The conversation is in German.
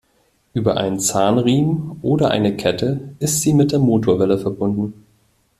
Über einen Zahnriemen oder eine Kette ist sie mit der Motorwelle verbunden.